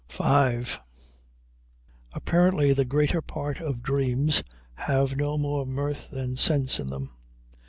V Apparently the greater part of dreams have no more mirth than sense in them.